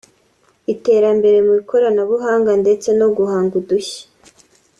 iterambere mu ikoranabuhanga ndetse no guhanga udushya